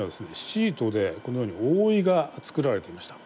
シートでこのように覆いが作られていました。